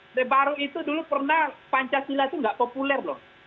orde baru itu dulu pernah pancasila itu tidak populer